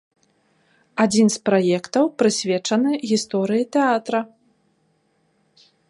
Адзін з праектаў прысвечаны гісторыі тэатра.